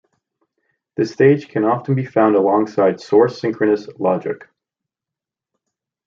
This stage can often be found alongside source synchronous logic.